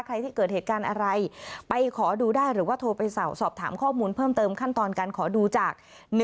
ใครที่เกิดเหตุการณ์อะไรไปขอดูได้หรือว่าโทรไปสอบถามข้อมูลเพิ่มเติมขั้นตอนการขอดูจาก